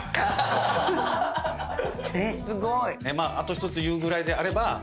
あと１つ言うぐらいであれば。